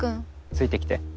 ついてきて。